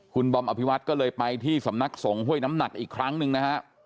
คุณบอมอภิวัตรก็เลยไปที่สำนักสงฆ่วยน้ำหนักอีกครั้งหนึ่งนะฮะ